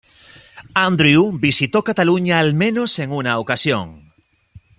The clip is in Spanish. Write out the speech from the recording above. Andrew visitó Cataluña al menos en una ocasión.